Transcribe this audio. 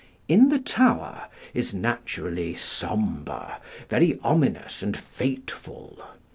"In the Tower" is naturally sombre, very ominous and fateful.